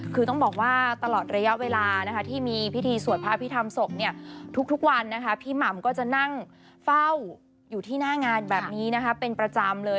คือต้องบอกว่าตลอดระยะเวลาที่มีพิธีสวดพระอภิษฐรรมศพเนี่ยทุกวันนะคะพี่หม่ำก็จะนั่งเฝ้าอยู่ที่หน้างานแบบนี้นะคะเป็นประจำเลย